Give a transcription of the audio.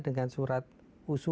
dengan surat usulan dari pengusul